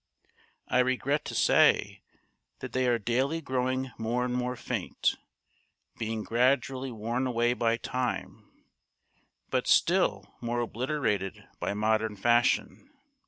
I regret to say that they are daily growing more and more faint, being gradually worn away by time, but still more obliterated by modern fashion.